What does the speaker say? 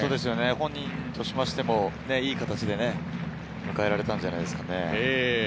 本人としてもいい形で迎えられたんじゃないですかね。